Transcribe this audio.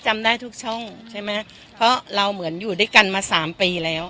จำได้ทุกช่องใช่ไหมเพราะเราเหมือนอยู่ด้วยกันมาสามปีแล้ว